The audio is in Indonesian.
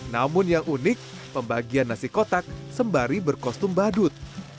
namun yang unik pembagian nasi kotak sembari berkostum badut